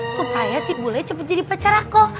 supaya si bule cepet jadi pacar aku